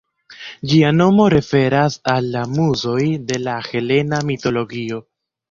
Ĝia nomo referas al la Muzoj de la helena mitologio.